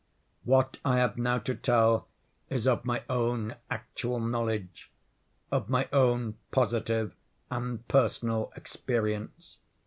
What I have now to tell is of my own actual knowledge—of my own positive and personal experience.